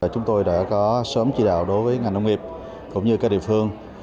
chúng tôi đã có sớm chỉ đạo đối với ngành nông nghiệp cũng như các địa phương